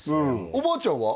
おばあちゃんは？